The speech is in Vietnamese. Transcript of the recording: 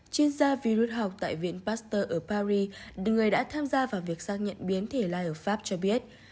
chuyên gia virus học tại viện pasteur ở paris người đã tham gia vào việc xác nhận biến thể lai ở pháp cho biết